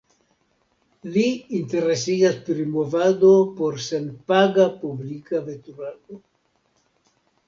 Li interesiĝas pri Movado por senpaga publika veturado.